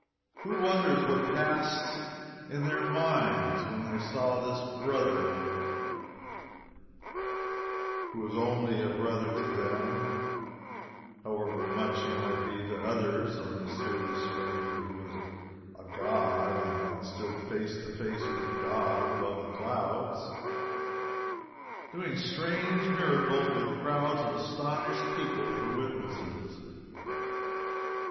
Who wonders what passed in their minds when they saw this brother, (who was only a brother to them, however much he might be to others a mysterious stranger who was a god and had stood face to face with God above the clouds,) doing strange miracles with crowds of astonished people for witnesses?